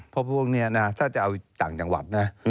เพราะพวกนี้นะถ้าจะเอาต่างจังหวัดนะ